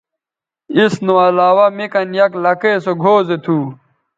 اس نو علاوہ می کن یک لکئے سوگھؤ زو تھو